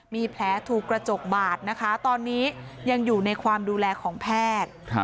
มีแผลถูกกระจกบาดนะคะตอนนี้ยังอยู่ในความดูแลของแพทย์